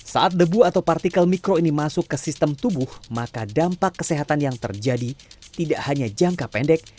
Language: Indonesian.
saat debu atau partikel mikro ini masuk ke sistem tubuh maka dampak kesehatan yang terjadi tidak hanya jangka pendek